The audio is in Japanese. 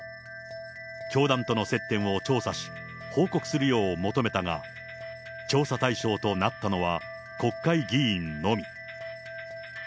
教団との接点を調査し、報告するよう求めたが、調査対象となったのは、国会議員のみ。